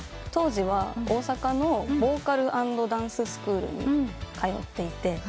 当時は大阪のボーカル＆ダンススクールに通っていて。